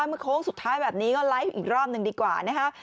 โค้งสุดท้ายแบบนี้ก็ไลฟ์อีกรอบหนึ่งดีกว่านะคะ